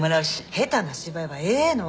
下手な芝居はええの！